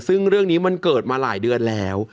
ซึ่งเรื่องนี้มันเกิดมาหลายเดือนแล้ว